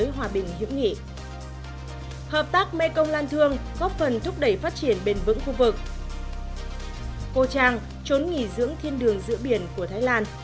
hãy đăng ký kênh để ủng hộ kênh của chúng mình nhé